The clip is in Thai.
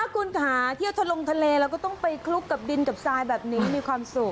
คุณค่ะเล่นที่เทศโรงทะเลเราก็ต้องไปกับคลุกกับดินกับซายแบบนี้ด้วยมีความสุข